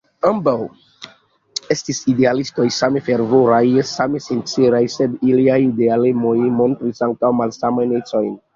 Ambaŭ estis idealistoj, same fervoraj, same sinceraj; sed iliaj idealemoj montris ankaŭ malsamajn ecojn.